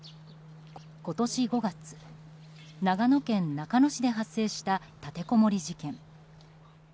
今年５月、長野県中野市で発生した立てこもり事件。